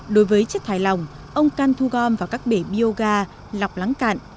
đối với chất thải lòng ông can thu gom vào các bể bioga lọc lắng cạn